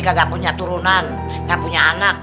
kagak punya turunan kagak punya anak